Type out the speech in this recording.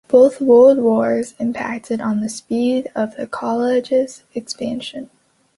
Both World Wars impacted on the speed of the College's expansion.